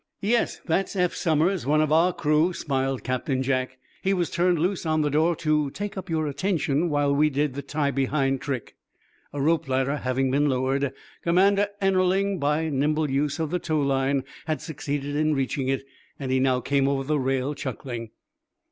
"Yes; that's Eph Somers, one of our crew," smiled Captain Jack. "He was turned loose on the door to take up your attention, while we did the tie behind trick." A rope ladder having been lowered, Commander Ennerling, by nimble use of the tow line, had succeeded in reaching it, and he now came over the rail, chuckling.